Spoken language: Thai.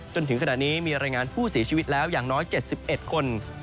จนถึงขณะนี้มีรายงานผู้เสียชีวิตแล้วอย่างน้อย๗๑คน